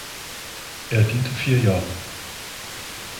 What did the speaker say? Er diente vier Jahre.